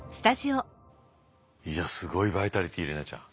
いやすごいバイタリティー怜奈ちゃん。